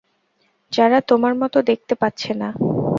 যারা তোমার মতো দেখতে পাচ্ছে না?